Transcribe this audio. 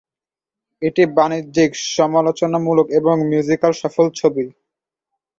এটি বাণিজ্যিক, সমালোচনামূলক এবং মিউজিক্যাল সফল ছবি।